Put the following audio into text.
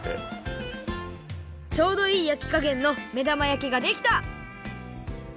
ちょうどいいやきかげんの目玉やきができた！